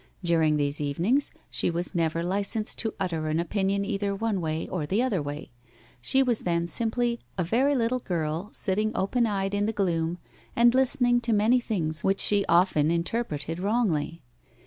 During these evenings she was never licensed to utter an opinion either one way or the other way. She was then simply a very little girl sitting open eyed in the gloom, and listening to many things which she often interpreted wrongly.